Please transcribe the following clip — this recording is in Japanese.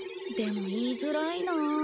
でも言いづらいなあ。